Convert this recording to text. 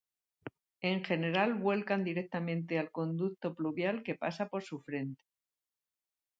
En general vuelcan directamente al conducto Pluvial que pasa por su frente.